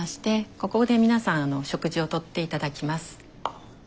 ここで皆さん食事をとって頂きます。